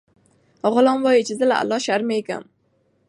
غلام وایي چې زه له الله شرمیږم.